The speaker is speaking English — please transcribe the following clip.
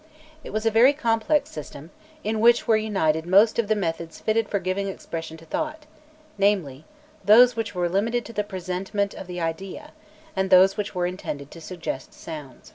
It was a very complex system, in which were united most of the methods fitted for giving expression to thought, namely: those which were limited to the presentment of the idea, and those which were intended to suggest sounds.